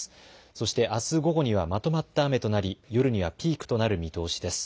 そしてあす午後にはまとまった雨となり夜にはピークとなる見通しです。